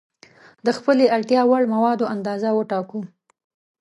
د خپلې اړتیا وړ موادو اندازه وټاکو.